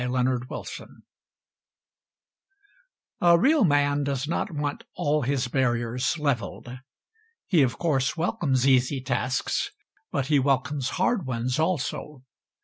WHAT DARK DAYS DO A real man does not want all his barriers leveled. He of course welcomes easy tasks, but he welcomes hard ones also.